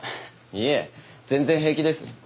いえ全然平気です。